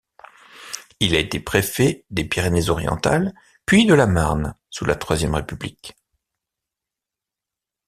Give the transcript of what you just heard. Il a été préfet des Pyrénées-Orientales puis de la Marne sous la Troisième République.